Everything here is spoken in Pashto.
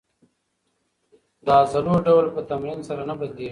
د عضلو ډول په تمرین سره نه بدلېږي.